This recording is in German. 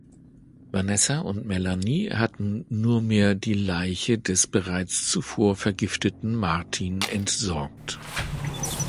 Vanessa und Melanie hatten nur mehr die Leiche des bereits zuvor vergifteten Martin entsorgt.